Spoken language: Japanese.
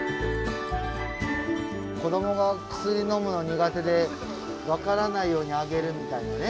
子どもが薬のむの苦手で分からないようにあげるみたいなね。